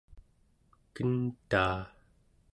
kentaa